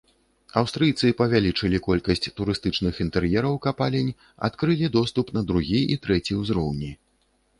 Аўстрыйцы павялічылі колькасць турыстычных інтэр'ераў капалень, адкрылі доступ на другі і трэці ўзроўні.